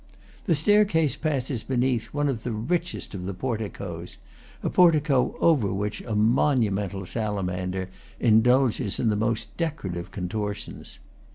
The staircase passes beneath one of the richest of porticos, a portico over which a monumental salamander indulges in the most deco rative contortions.